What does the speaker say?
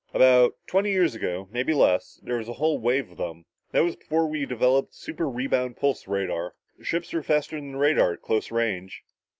"About twenty years ago, maybe less, there was a whole wave of them. That was before we developed superrebound pulse radar. The ships were faster than the radar at close range."